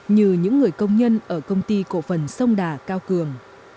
như những người công nhân ở công ty cổ phần sông đà cao cường